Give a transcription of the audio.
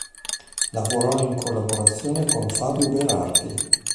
Lavorò in collaborazione con Fabio Berardi.